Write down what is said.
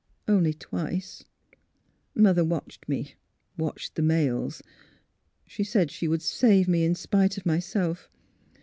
" Only twice. Mother watched me — watched the mails. She said she would save me in sj^ite of myself.